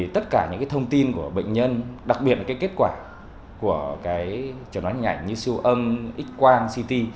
tất cả những thông tin của bệnh nhân đặc biệt là kết quả của chẩn đoán hình ảnh như siêu âm x quang city